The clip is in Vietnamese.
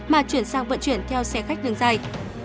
mà chuyển sang vận chuyển theo xe khách đường dài